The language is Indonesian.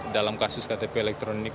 dalam kasus ktp elektronik